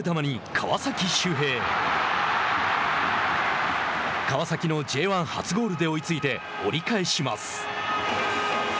川崎のＪ１初ゴールで追いついて折り返します。